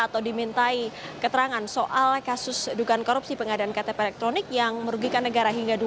atau dimintai keterangan soal kasus dugaan korupsi pengadilan ktp elektronik yang merugikan negara